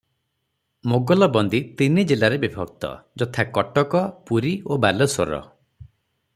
ମୋଗଲବନ୍ଦୀ ତିନି ଜିଲାରେ ବିଭକ୍ତ, ଯଥା:-କଟକ, ପୁରୀ ଓ ବାଲେଶ୍ୱର ।